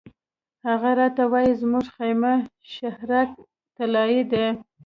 هغه راته وایي زموږ خیمه شهرک طلایي دی.